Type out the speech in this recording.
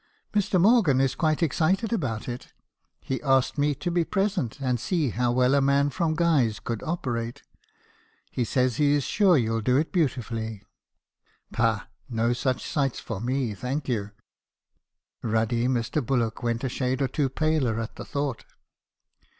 Mr. Morgan is quite excited about it. He asked me to be present, and see how well a man from Guy's could operate : he says he is sure you '11 do it beauti fully. Pah ! no such sights for me, thank you.' "Ruddy Mr. Bullock went a shade or two paler at the thought.